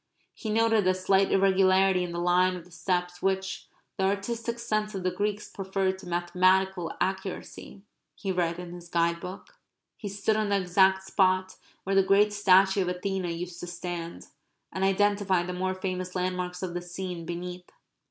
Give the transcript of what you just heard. He noted the slight irregularity in the line of the steps which "the artistic sense of the Greeks preferred to mathematical accuracy," he read in his guide book. He stood on the exact spot where the great statue of Athena used to stand, and identified the more famous landmarks of the scene beneath.